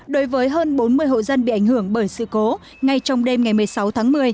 đối với hơn bốn mươi hộ dân bị ảnh hưởng bởi sự cố ngay trong đêm ngày một mươi sáu tháng một mươi